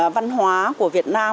văn hóa của việt nam